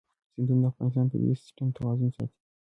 سیندونه د افغانستان د طبعي سیسټم توازن ساتي.